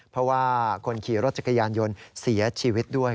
เพราะว่าคนขี่รถจักรยานยนต์เสียชีวิตด้วย